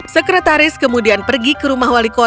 sekretaris kemudian pergi ke rumah wajahnya